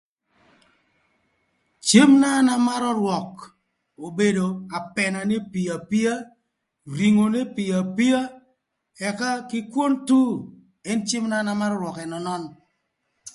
Cem na an amarö rwök obedo apena n'epio apia, ringo n'epio apia, ëka kï kwon Thur ën cem na an amarö rwök ënönön